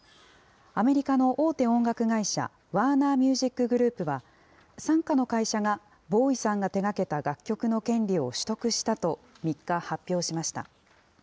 アメリカの大手音楽会社、ワーナー・ミュージック・グループは、傘下の会社がボウイさんが手がけた楽曲の権利を取得したと３日、発表しました。